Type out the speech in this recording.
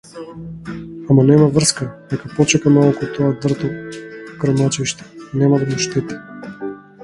Ама нема врска, нека почека малку тоа дрто крмачиште, нема да му штети.